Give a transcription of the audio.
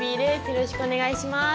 よろしくお願いします。